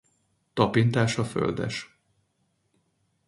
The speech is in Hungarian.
Tapintása földes.